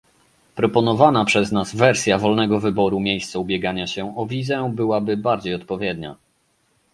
Proponowana przez nas wersja wolnego wyboru miejsca ubiegania się o wizę byłaby bardziej odpowiednia